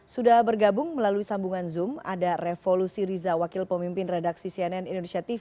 sudah bergabung melalui sambungan zoom ada revolusi riza wakil pemimpin redaksi cnn indonesia tv